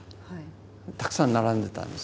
たくさん並んでたんです。